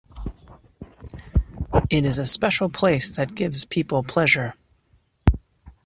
It is a special place that gives people pleasure.